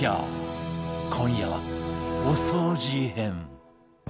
今夜はお掃除編